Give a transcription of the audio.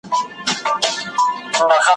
هر یو سیوری د رباب نغمې ته دام سو,